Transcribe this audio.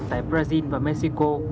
tại brazil và mexico